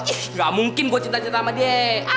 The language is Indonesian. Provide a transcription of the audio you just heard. ih gak mungkin gue cinta cinta sama dia